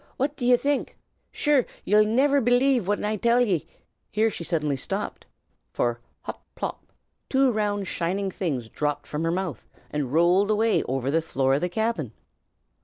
what do ye think? Sure ye'll niver belave me whin I till ye " Here she suddenly stopped, for hop! pop! two round shining things dropped from her mouth, and rolled away over the floor of the cabin.